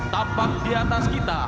tapak di atas kita